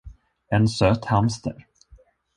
En söt hamster.